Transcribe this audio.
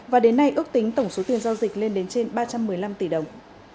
và đến nay ước tính tổng số tiền giao dịch lên đến trên ba trăm một mươi năm tỷ đồng